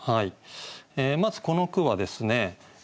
まずこの句はですね